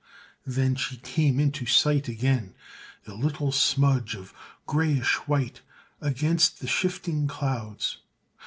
Then she came into sight again, a little smudge of grayish white against the shifting clouds.